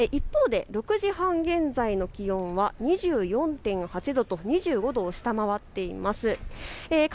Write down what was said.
一方で６時半現在の気温は２４．８度と２５度を下回っています。